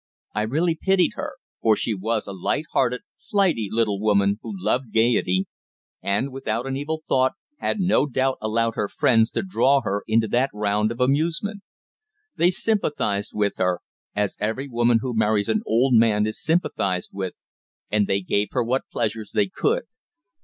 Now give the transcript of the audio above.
I really pitied her, for she was a light hearted, flighty, little woman who loved gaiety, and, without an evil thought, had no doubt allowed her friends to draw her into that round of amusement. They sympathised with her as every woman who marries an old man is sympathised with and they gave her what pleasures they could.